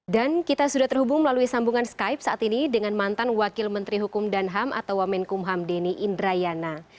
dan kita sudah terhubung melalui sambungan skype saat ini dengan mantan wakil menteri hukum dan ham atau wamenkumham deni indrayana